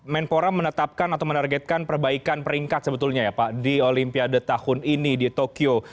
menpora menetapkan atau menargetkan perbaikan peringkat sebetulnya ya pak di olimpiade tahun ini di tokyo